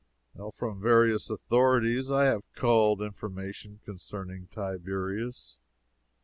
From various authorities I have culled information concerning Tiberias.